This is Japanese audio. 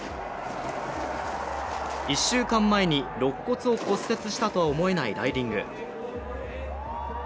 １週間前にろっ骨を骨折したとは思えないライディング。